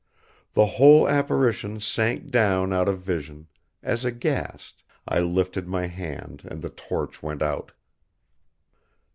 The whole apparition sank down out of vision, as aghast, I lifted my hand and the torch went out.